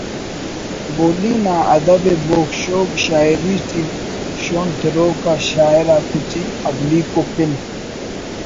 بولی نا ادب ءِ بوگ شوگ شاعری ٹی شون تروک آ شاعر آتیٹی اولیکو پن